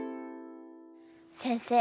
先生